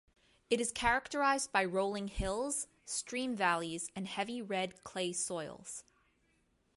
It is characterized by rolling hills, stream valleys, and heavy red clay soils.